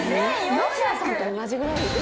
餅田さんと同じぐらいですよね？